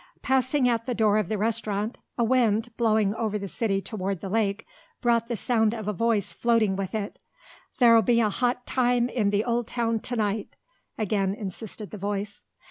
Passing in at the door of the restaurant, a wind, blowing over the city toward the lake, brought the sound of a voice floating with it. "There'll be a hot time in the old town to night," again insisted the voice.